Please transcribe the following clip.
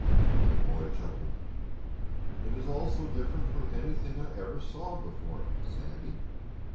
The boy chuckled. "It is all so different from anything I ever saw before, Sandy.